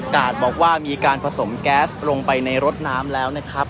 บอกว่ามีการผสมแก๊สลงไปในรถน้ำแล้วนะครับ